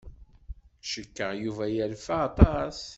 Cikkeɣ Yuba yerfa aṭas.